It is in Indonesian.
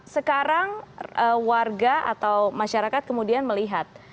sekarang warga atau masyarakat kemudian melihat